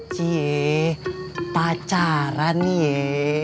cie pacaran ya